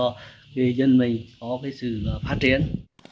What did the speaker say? người dân mình có sự phát triển